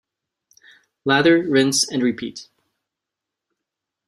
Lather, rinse and repeat.